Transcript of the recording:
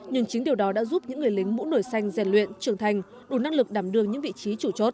nhưng chính điều đó đã giúp những người lính mũ nổi xanh rèn luyện trưởng thành đủ năng lực đảm đương những vị trí chủ chốt